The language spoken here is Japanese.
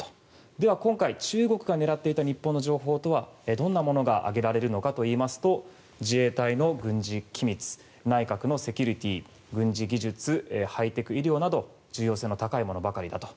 では今回中国が狙っていた日本の情報とはどんなものが挙げられるのかといいますと自衛隊の軍事機密内閣のセキュリティー軍事技術、ハイテク医療など重要性の高いものばかりだと。